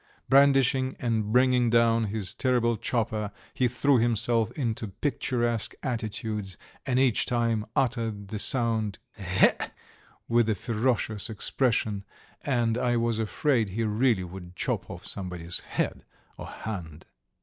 Brandishing and bringing down his terrible chopper he threw himself into picturesque attitudes, and each time uttered the sound "Geck" with a ferocious expression, and I was afraid he really would chop off somebody's head or hand.